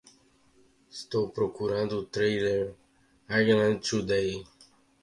Estou procurando o trailer de Highlands Today